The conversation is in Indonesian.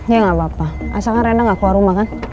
ya nggak apa apa asalnya rendah nggak keluar rumah kan